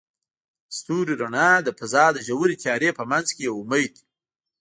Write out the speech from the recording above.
د ستوري رڼا د فضاء د ژورې تیارې په منځ کې یو امید دی.